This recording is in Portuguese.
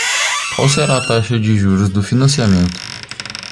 Qual será a taxa de juros do financiamento?